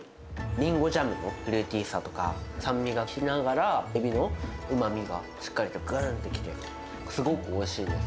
リンゴジャムのフルーティーさとか、酸味がききながら、エビのうまみがしっかりとぐーんと来て、すごくおいしいです。